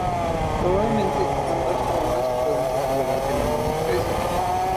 Probablemente ambas formas puedan considerarse la misma especie.